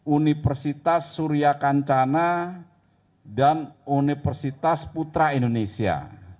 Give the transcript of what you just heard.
universitas surya kancana dan universitas putra indonesia